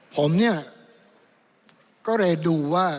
ผมเนี่ยก็เลยดูว่า